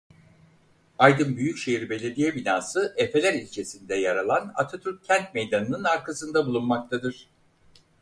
Aydın Büyükşehir Belediye binası Efeler ilçesinde yer alan Atatürk Kent Meydanı'nın arkasında bulunmaktadır.